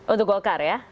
untuk golkar ya